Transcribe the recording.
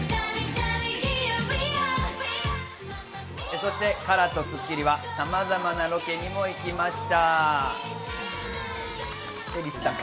そしてＫＡＲＡと『スッキリ』はさまざまなロケにも行きました。